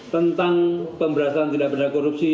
tentang pemberantasan tindak benar korupsi